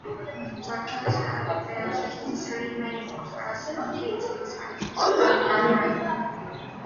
The Cathedra represents his three main offices of teaching, sanctifying and governing.